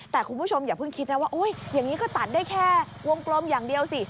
แต่คุณผู้ชมอย่าเพิ่งคิดนะว่าอย่างนี้ก็ตัดได้แค่วงกลมอย่างเดียวสิ